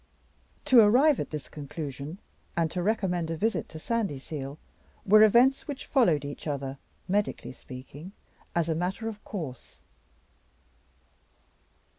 To arrive at this conclusion, and to recommend a visit to Sandyseal, were events which followed each other (medically speaking) as a matter of course.